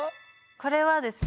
これはですね